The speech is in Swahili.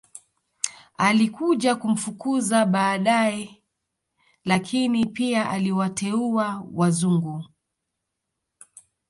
Alikuja kumfukuza badae lakini pia aliwateua wazungu